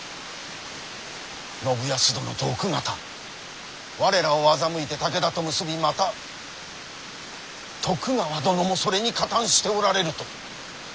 信康殿と奥方我らを欺いて武田と結びまた徳川殿もそれに加担しておられると。